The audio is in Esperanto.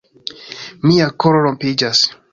Mia koro rompiĝas.